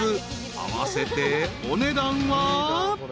［合わせてお値段は］